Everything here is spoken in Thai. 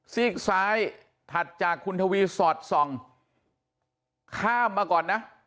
ซีกซ้ายถัดจากคุณทวีสอดส่องข้ามมาก่อนนะ